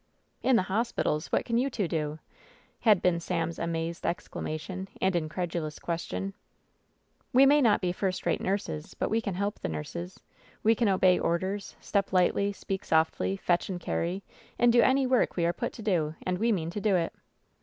"In the hospitals ! What can you two do ?" had been Sam's amazed exclamation and incredulous question. "We may not be first rate nurses, but we can help the nurses; we can obey orders, step lightly, speak softly, fetch and carry, and do any work we are put to do, and we mean to do it